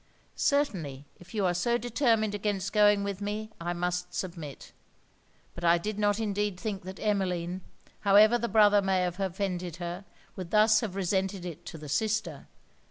Certainly if you are so determined against going with me, I must submit. But I did not indeed think that Emmeline, however the brother may have offended her, would thus have resented it to the sister.'